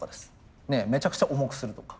めちゃくちゃ重くするとか。